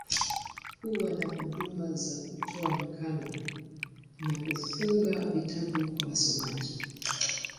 Huwa na huduma za kutoa nakala, na kufunga vitabu kwa wasomaji.